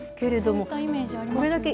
そういったイメージありますよね。